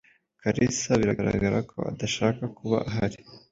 Kalisa biragaragara ko adashaka kuba ahari.